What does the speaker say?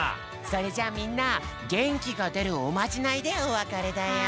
それじゃあみんなげんきが出るおまじないでおわかれだよ！